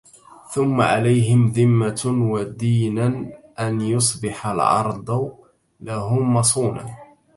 ثم عليهم ذمة ودينا أن يُصبح العرض لهم مصونا